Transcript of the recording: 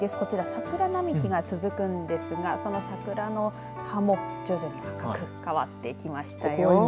桜並木が続くんですがその桜の葉も徐々に赤く変わってきましたよ。